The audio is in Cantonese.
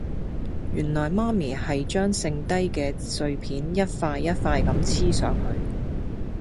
原來媽咪係將剩低嘅碎片一塊一塊咁黐上去